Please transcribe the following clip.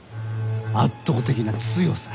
圧倒的な強さ。